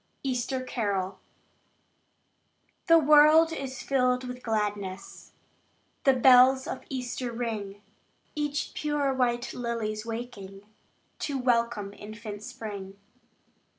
Easter Carol The world is filled with gladness; The bells of Easter ring; Each pure white lily's waking, To welcome infant spring.